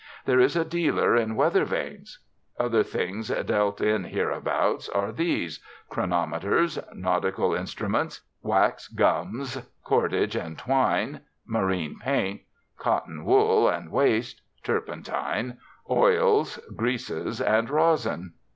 There is a dealer in weather vanes. Other things dealt in hereabout are these: chronometers, "nautical instruments," wax gums, cordage and twine, marine paints, cotton wool and waste, turpentine, oils, greases, and rosin.